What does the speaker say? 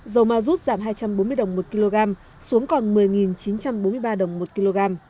dầu ma rút giảm hai trăm bốn mươi đồng một kg xuống còn một mươi chín trăm bốn mươi ba đồng một kg